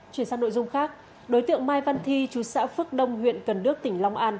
chuyển sang nội dung khác đối tượng mai văn thi chú xã phước đông huyện cần đước tỉnh long an